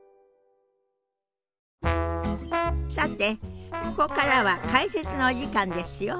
さてここからは解説のお時間ですよ。